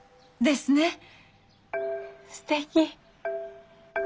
すてき。